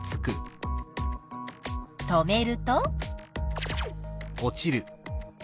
止めると？